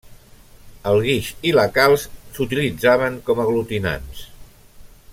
El guix i la calç s'utilitzaven com aglutinants.